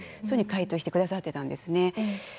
そういうふうに回答してくださってたんですね。